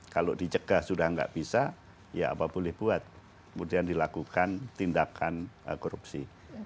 kalau dicegah sudah nggak bisa ya apa boleh buat kemudian dilakukan tindakan korupsi